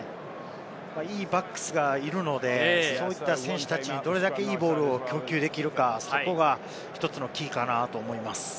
いいバックスがいるので、そういった選手たち、どれだけいいボールを供給できるか、そこが１つのキーかなと思います。